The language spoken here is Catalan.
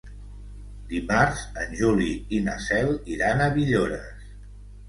Dimarts en Juli i na Cel iran a Villores.